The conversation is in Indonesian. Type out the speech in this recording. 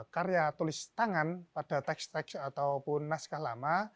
karya tulis tangan pada teks teks ataupun naskah lama